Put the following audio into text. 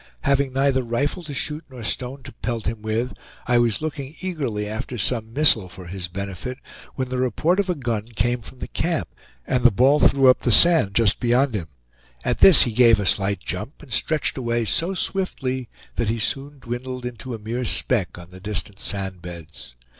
Having neither rifle to shoot nor stone to pelt him with, I was looking eagerly after some missile for his benefit, when the report of a gun came from the camp, and the ball threw up the sand just beyond him; at this he gave a slight jump, and stretched away so swiftly that he soon dwindled into a mere speck on the distant sand beds.